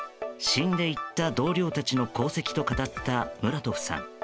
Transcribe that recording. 死んでいった同僚たちの功績と語ったムラトフさん。